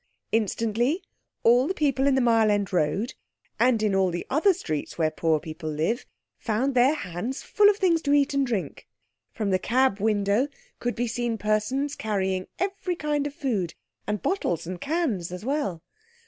Instantly all the people in the Mile End Road, and in all the other streets where poor people live, found their hands full of things to eat and drink. From the cab window could be seen persons carrying every kind of food, and bottles and cans as well.